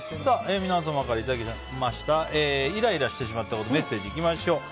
皆様からいただきましたイライラしてしまったメッセージいきましょう。